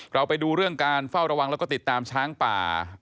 เราไปดูเรื่องการเฝ้าระวังแล้วก็ติดตามช้างป่า